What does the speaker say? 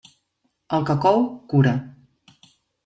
El que cou cura.